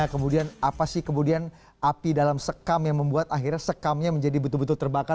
kemudian apa sih kemudian api dalam sekam yang membuat akhirnya sekamnya menjadi betul betul terbakar